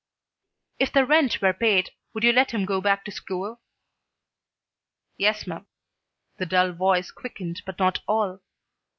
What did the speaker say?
"If the rent were paid would you let him go back to school?" "Yes 'm." The dull voice quickened not at all.